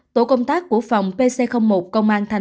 tổ công tác của phòng pc một công an tp hcm